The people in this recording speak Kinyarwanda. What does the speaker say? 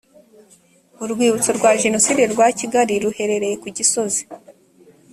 urwibutso rwa jenoside rwa kigali ruherereye ku gisozi